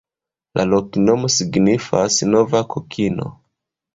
La loknomo signifas: nova-kokino.